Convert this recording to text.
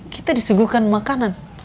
kita diseguhkan makanan